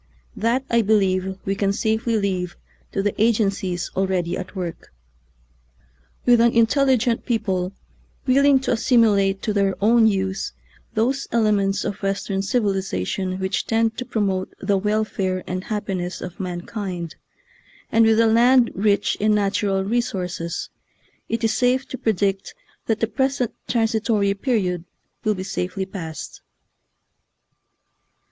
That, I believe, we can safely leave to the agencies already at work. With an intelligent people will ing to assimilate to their own use those elements of Western civilization which tend to promote the welfare and happi ness of mankind, and with a land rich in natural resources, it is safe to predict that the present transitory period will be safely passed.